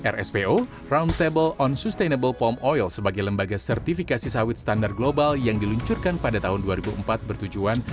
rspo roundtable on sustainable palm oil sebagai lembaga sertifikasi sawit standar global yang diluncurkan pada tahun dua ribu empat bertujuan